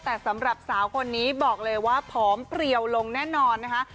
แต่สำหรับสาวคนนี้บอกเลยว่าผอมเพลียวลงแน่นอนนะคะ